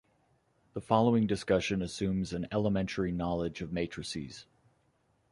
The following discussion assumes an elementary knowledge of matrices.